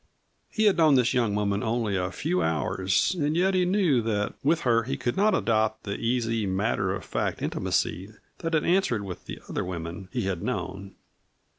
He had known this young woman only a few hours, and yet he knew that with her he could not adopt the easy, matter of fact intimacy that had answered with the other women he had known.